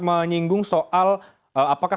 menyinggung soal apakah